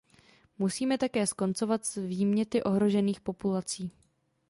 Musíme také skoncovat s výměty ohrožených populací.